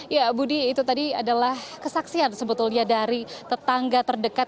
ya budi itu tadi adalah kesaksian sebetulnya dari tetangga terdekat